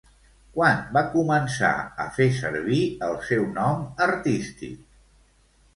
Quan va començar a fer servir el seu nom artístic?